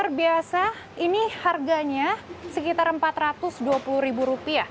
luar biasa ini harganya sekitar rp empat ratus dua puluh